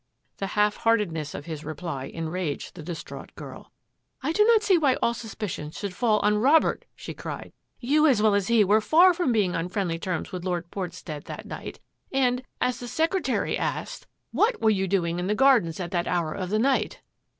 The half heartedness of his reply enraged the distraught girl. " I do not see why all suspicion should fall on Robert," she cried. " You, as well as he, were far from being on friendly terms with Lord Portstead that night, and, as the secretary asked, ' What were k ACCUSATIONS 88 you doing in the gardens at that hour of the night?'"